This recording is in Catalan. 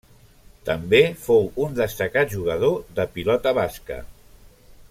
També fou un destacat jugador de pilota basca.